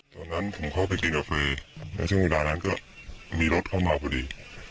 ตอนนั้นผมเข้าไปกินกาฟรีในช่วงเวลานั้นก็มีรถเข้ามาพอดี